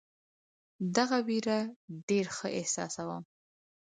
دغه وېره ډېر ښه احساسوم.